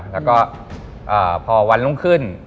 แล้วก็พอวันรุ่งขึ้น